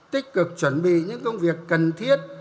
tích cực chuẩn bị những công việc cần thiết